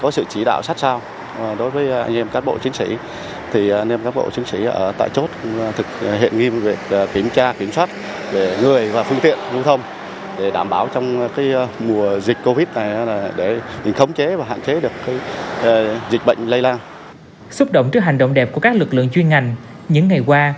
xúc động trước hành động đẹp của các lực lượng chuyên ngành những ngày qua